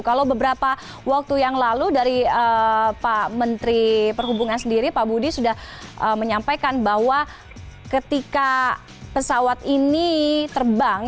kalau beberapa waktu yang lalu dari pak menteri perhubungan sendiri pak budi sudah menyampaikan bahwa ketika pesawat ini terbang